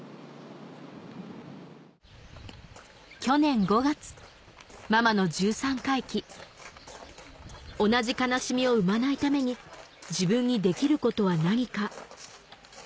去年５月ママの１３回忌同じ悲しみを生まないために自分にできることは何か？